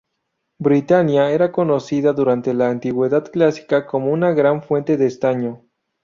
Britania era conocida durante la Antigüedad clásica como una gran fuente de estaño.